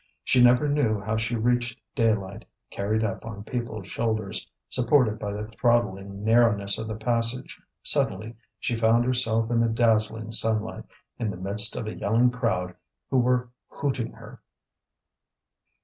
She never knew how she reached daylight, carried up on people's shoulders, supported by the throttling narrowness of the passage. Suddenly she found herself in the dazzling sunlight, in the midst of a yelling crowd who were hooting her.